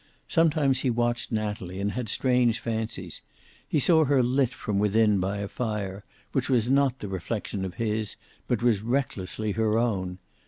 Sometimes he watched Natalie, and had strange fancies. He saw her lit from within by a fire, which was not the reflection of his, but was recklessly her own.